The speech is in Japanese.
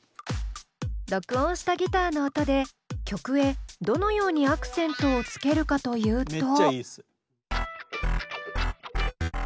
録音したギターの音で曲へどのようにアクセントをつけるかというと。